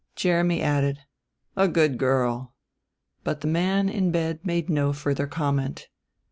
Jeremy added, "A good girl," but the man in bed made no further comment.